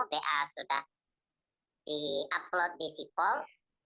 da sudah di upload di sipol